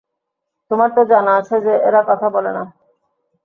তোমার তো জানা আছে যে, এরা কথা বলে না।